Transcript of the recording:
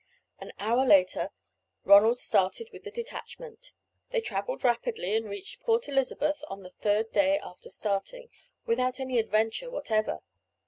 An hour later Ronald started with the detachment. They travelled rapidly, and reached Port Elizabeth on the third day after starting, without any adventure whatever.